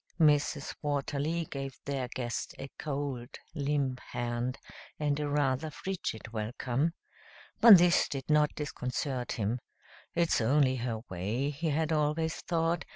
Mrs. Watterly gave their guest a cold, limp hand and a rather frigid welcome. But this did not disconcert him. "It's only her way," he had always thought.